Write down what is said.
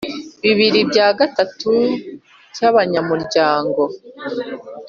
Bibiri bya gatatu cy abanyamuryango